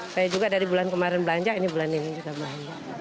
saya juga dari bulan kemarin belanja ini bulan ini juga belanja